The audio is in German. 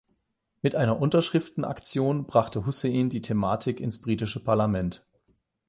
Mit einer Unterschriftenaktion brachte Hussein die Thematik ins britische Parlament.